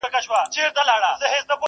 یخه سایه په دوبي ژمي کي لمبه یمه زه,